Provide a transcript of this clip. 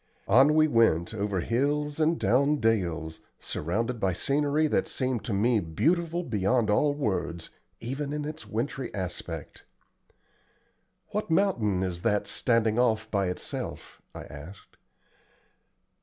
On we went, over hills and down dales, surrounded by scenery that seemed to me beautiful beyond all words, even in its wintry aspect. "What mountain is that standing off by itself?" I asked.